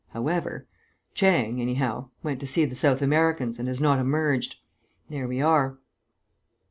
However Chang, anyhow, went to see the South Americans, and has not emerged. There we are."